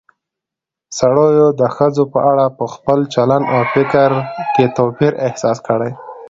سړيو د ښځو په اړه په خپل چلن او فکر کې توپير احساس کړى